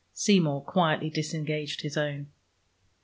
Seymour quietly disengaged his own.